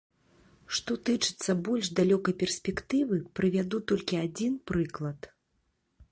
Што тычыцца больш далёкай перспектывы, прывяду толькі адзін прыклад.